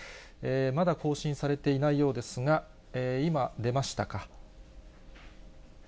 まだ更新されていないようですが、今、出ましたか。